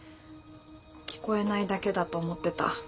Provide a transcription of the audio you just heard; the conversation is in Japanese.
聞こえないだけだと思ってた。